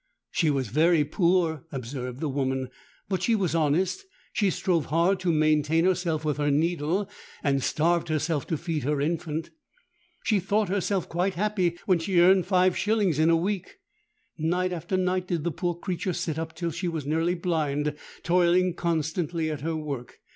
'She was very poor,' observed the woman; 'but she was honest. She strove hard to maintain herself with her needle, and starved herself to feed her infant. She thought herself quite happy when she earned five shillings in a week. Night after night did the poor creature sit up till she was nearly blind, toiling constantly at her work.